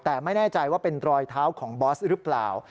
แต่ไม่แน่ใจว่าเป็นรอยเท้าของบอสหรือเปล่า